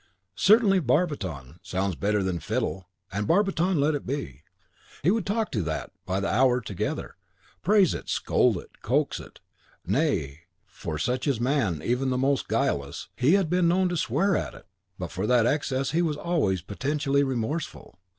Certainly barbiton sounds better than fiddle; and barbiton let it be. He would talk to THAT by the hour together, praise it, scold it, coax it, nay (for such is man, even the most guileless), he had been known to swear at it; but for that excess he was always penitentially remorseful.